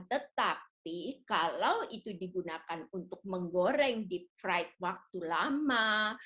tetapi kalau itu digunakan untuk menggoreng deep fright waktu lama